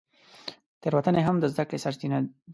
تېروتنې هم د زده کړې سرچینه دي.